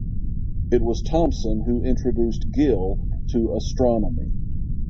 It was Thomson who introduced Gill to astronomy.